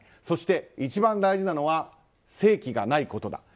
そして、一番大事なのは性器がないことだ。